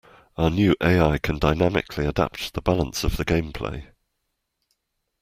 Our new AI can dynamically adapt the balance of the gameplay.